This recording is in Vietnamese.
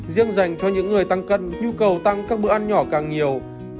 riêng dành cho những người tăng cân nhu cầu tăng các bữa ăn nhỏ càng nhiều